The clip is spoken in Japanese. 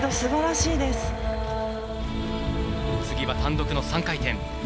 次は単独の３回転。